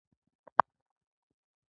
دا ژوندلیکونه زموږ د ژبې لپاره افتخار دی.